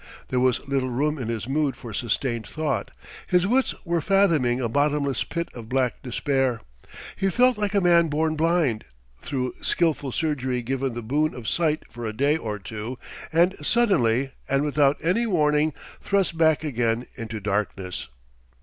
There was little room in his mood for sustained thought: his wits were fathoming a bottomless pit of black despair. He felt like a man born blind, through skilful surgery given the boon of sight for a day or two, and suddenly and without any warning thrust back again into darkness.